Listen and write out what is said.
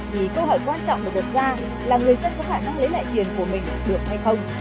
thì câu hỏi quan trọng của quốc gia là người dân có khả năng lấy lại tiền của mình được hay không